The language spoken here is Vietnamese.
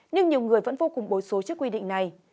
nhưng nhiều người vẫn vô cùng bối số trước quy định này